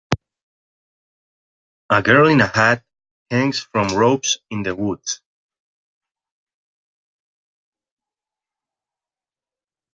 A girl in a hat hangs from ropes in the woods.